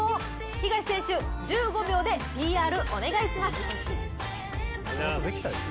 東選手、１５秒でＰＲお願いします。